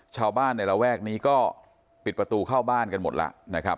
ชาวบ้านในระแวกนี้ก็ปิดประตูเข้าบ้านกันหมดแล้วนะครับ